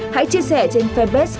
hãy chia sẻ trên facebook